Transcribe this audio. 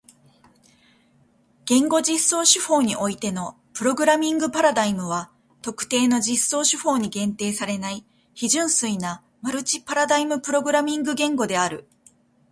言語実装手法においてのプログラミングパラダイムは特定の実装手法に限定されない非純粋なマルチパラダイムプログラミング言語である。